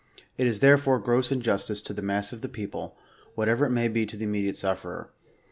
It is, therefore, gross injus' tice to the mass of the people, whatever it may be to the imme diate sufferer.